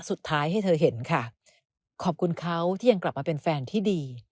สุดท้ายให้เธอเห็นค่ะขอบคุณเขาที่ยังกลับมาเป็นแฟนที่ดี